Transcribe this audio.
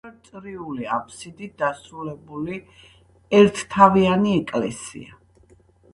გეგმით სწორკუთხა, ნახევარწრიული აფსიდით დასრულებული ერთნავიანი ეკლესია.